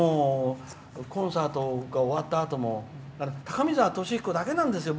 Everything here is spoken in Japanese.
コンサートが終わったあとも高見沢俊彦だけなんですよ。